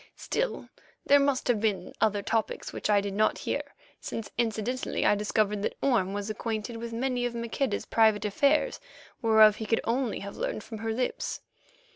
Still, there must have been other topics which I did not hear, since incidently I discovered that Orme was acquainted with many of Maqueda's private affairs whereof he could only have learned from her lips.